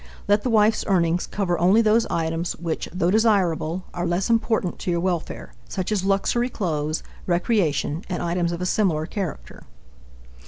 Let the wife's earnings cover only those items which, though desirable, are less important to your welfare, such as "luxury" clothes, recreation, and items of a similar character.